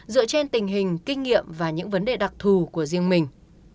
dựa trên tình hình kinh nghiệm và những vấn đề đặc thù của riêng mình